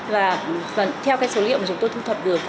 và theo cái số liệu mà chúng tôi thu thập được